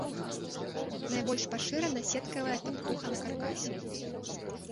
Найбольш пашырана сеткавая таптуха на каркасе.